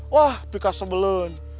wah pikas sebelen